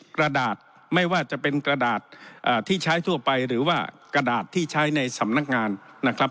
กระดาษไม่ว่าจะเป็นกระดาษที่ใช้ทั่วไปหรือว่ากระดาษที่ใช้ในสำนักงานนะครับ